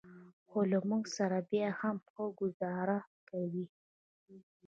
خو له موږ سره بیا هم ښه ګوزاره کوي.